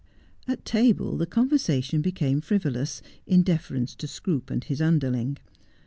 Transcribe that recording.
At table the conversation became frivolous, in deference to Scroope and his underling.